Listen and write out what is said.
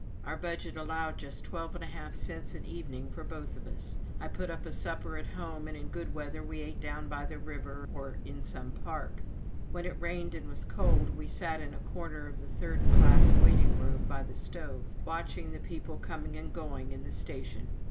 Our budget allowed just twelve and a half cents an evening for both of us. I put up a supper at home, and in good weather we ate down by the river or in some park. When it rained and was cold, we sat in a corner of the third class waiting room by the stove, watching the people coming and going in the station.